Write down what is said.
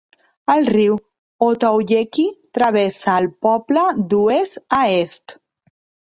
El riu Ottauquechee travessa el poble d'oest a est.